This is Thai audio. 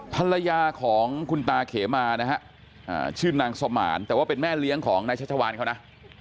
ภรรยาของคุณตาเขมานะฮะชื่อนางสมานแต่ว่าเป็นแม่เลี้ยงของนายชัชวานเขานะ